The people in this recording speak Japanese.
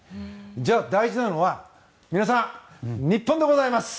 じゃあ大事なのは皆さん、日本でございます。